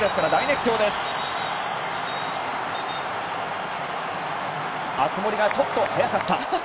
熱盛がちょっと早かった。